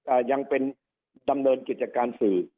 ยังเป็นดำเนินกิจการสื่อ